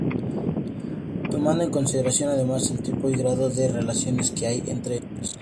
Tomando en consideración además el tipo y grado de relaciones que hay entre ellos.